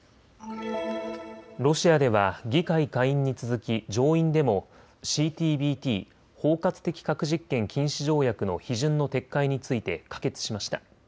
ロシアでは議会下院に続き上院でもＣＴＢＴ・包括的核実験禁止条約の批准の撤回について可決しました。